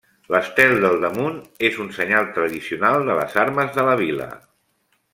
L'estel del damunt és un senyal tradicional de les armes de la vila.